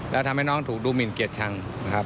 และทำให้น้องถูกดูมินเกียจชัง